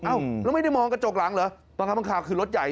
แล้วไม่ได้มองกระจกหลังเหรอบางครั้งบางคราวคือรถใหญ่